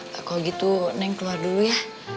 kalau gitu neng keluar dulu ya